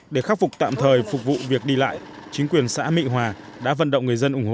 để khắc phục tạm thời phục vụ việc đi lại chính quyền xã mỹ hòa đã vận động người dân ủng hộ